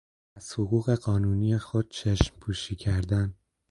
از حقوق قانونی خود چشم پوشی کردن